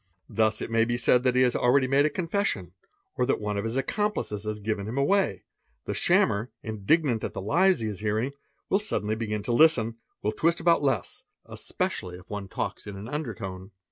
Thus ; may be said that he has already made a confession, or that one of his scomplices has given him away; the shammer, indignant at the lies he is earing, will suddenly begin to listen, will twist about less, especially if me talks in an undertone.